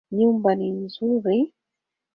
Nyumba ni nzuri